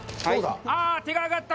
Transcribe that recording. あ、手があがった